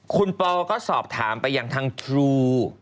คุณปอล์ก็สอบถามไปอย่างทางทรู